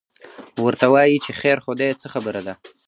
ورته وایي چې خیر خو دی، څه خبره ده؟